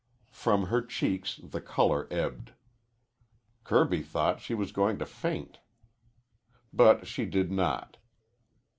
From her cheeks the color ebbed. Kirby thought she was going to faint. But she did not.